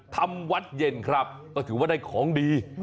ทำวัดเย็นครับก็ถือว่าได้ของดี